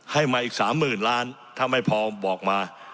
ให้มาอีกสามหมื่นล้านถ้าไม่พอบอกมา